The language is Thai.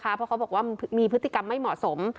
เพราะเขาบอกว่ามีพฤติกรรมไม่เหมาะสม